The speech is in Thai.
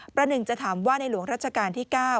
ประหนึ่งจะถามว่าในหลวงรัชกาลที่๙